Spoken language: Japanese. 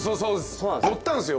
乗ったんすよ